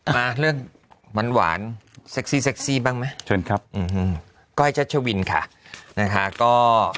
มาเรื่องหวานหวานบ้างไหมเชิญครับอืมฮืมก้อยเจ้าชวินค่ะนะคะก็